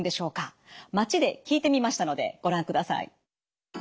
街で聞いてみましたのでご覧ください。